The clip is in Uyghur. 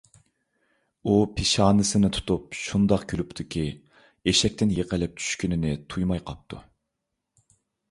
ئۇ پېشانىسىنى تۇتۇپ، شۇنداق كۈلۈپتۇكى، ئېشەكتىن يىقىلىپ چۈشكىنىنى تۇيماي قاپتۇ.